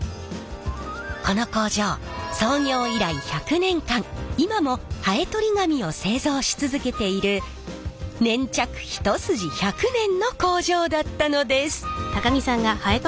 この工場創業以来１００年間今もハエとり紙を製造し続けている粘着一筋１００年の工場だったのです。